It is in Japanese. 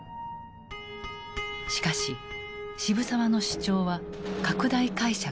しかし渋沢の主張は拡大解釈されていく。